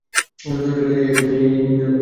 এটা ইউনিয়ন এর মধ্যেই!